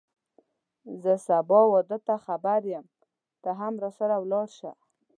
زه سبا واده ته خبر یم ته هم راسره ولاړ شه